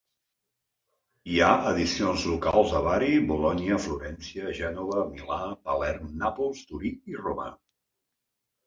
Hi ha edicions locals a Bari, Bolonya, Florència, Gènova, Milà, Palerm, Nàpols, Torí i Roma.